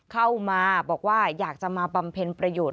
เข้ามาบอกว่าอยากจะมาบำเพ็ญประโยชน์